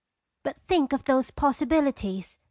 " "But think of those possibilities!"